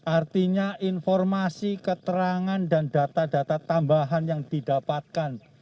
artinya informasi keterangan dan data data tambahan yang didapatkan